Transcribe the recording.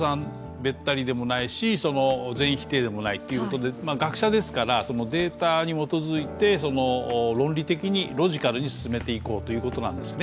べったりでもないし、全否定でもないということで、学者ですからデータに基づいて、論理的に、ロジカルに進めていこうということなんですね。